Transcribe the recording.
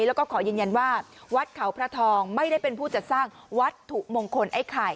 แล้วก็ขอยืนยันว่าวัดเขาพระทองไม่ได้เป็นผู้จัดสร้างวัตถุมงคลไอ้ไข่